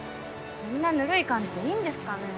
そんなぬるい感じでいいんですかね